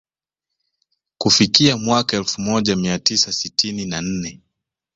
Kufikia mwaka elfu moja mia tisa sitini na nne